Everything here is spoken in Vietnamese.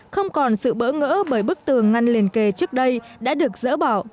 không còn sự bỡ ngỡ bởi bức tường ngăn liền kề trước đây đã được dỡ bỏ